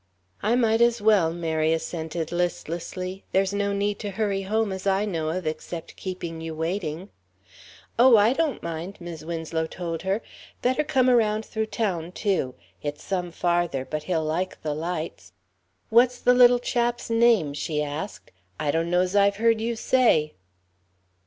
"I might as well," Mary assented listlessly. "There's no need to hurry home, as I know of, except keeping you waiting." "Oh, I don't mind," Mis' Winslow told her. "Better come around through town, too. It's some farther, but he'll like the lights. What's the little chap's name?" she asked; "I donno's I've heard you say."